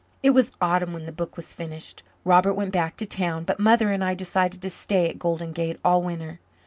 It was autumn when the book was finished. Robert went back to town, but Mother and I decided to stay at Golden Gate all winter.